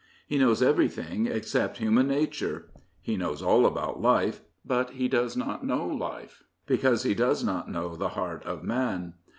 He knows everything except human nature. He knows all about life; but he does not know life, because he does not know the heart of man.